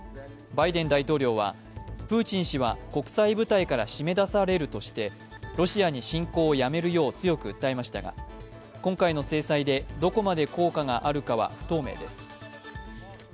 バイデン大統領はプーチン氏は国際舞台から閉め出されるとしてロシアに侵攻をやめるよう強く訴えましたが今回の制裁でどこまで効果があるかは不透明です。